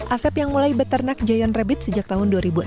asep yang mulai beternak giant rabbit sejak tahun dua ribu enam